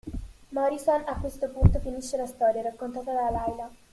Morrison a questo punto finisce la storia raccontata da Lyla.